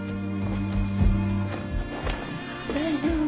大丈夫？